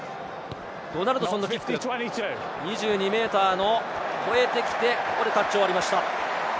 ドナルドソンのキック、２２ｍを超えてきて、ここでタッチを割りました。